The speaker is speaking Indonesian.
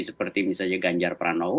seperti misalnya ganjar pranowo